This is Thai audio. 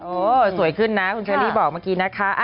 สวยขึ้นนะคุณเชอรี่บอกเมื่อกี้นะคะ